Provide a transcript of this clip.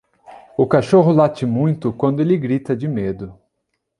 O cachorro late muito quando ele grita de medo.